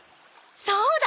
そうだ！